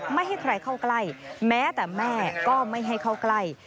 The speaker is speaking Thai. ไม่ให้ใครเข้าใกล้แม้แต่แม่ก็ไม่ให้เข้าใกล้